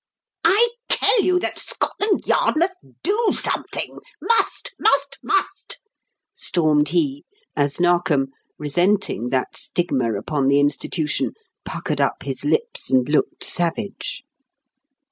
"I tell you that Scotland Yard must do something must! must! must!" stormed he as Narkom, resenting that stigma upon the institution, puckered up his lips and looked savage.